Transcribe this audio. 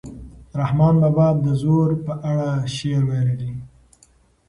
رحمان بابا د زور په اړه شعر ویلی دی.